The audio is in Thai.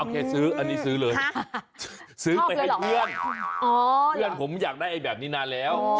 ซื้ออันนี้ซื้อเลยซื้อไปให้เพื่อนเพื่อนผมอยากได้แบบนี้นานแล้ว